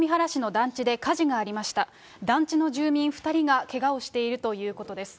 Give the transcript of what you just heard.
団地の住民２人がけがをしているということです。